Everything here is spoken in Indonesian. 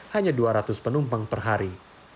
hanya dua ratus penumpang per hari